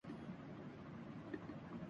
German ریاستیں متحد ہوگئیں